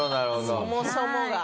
そもそもが。